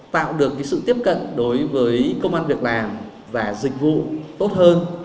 tạo được sự tiếp cận đối với công an việc làm và dịch vụ tốt hơn